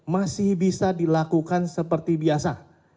masih bisa dilakukan seperti biasa